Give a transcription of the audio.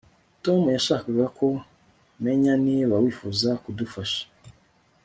Tom yashakaga ko menya niba wifuza kudufasha